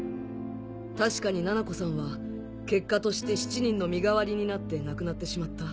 確かにななこさんは結果として７人の身代わりになって亡くなってしまった。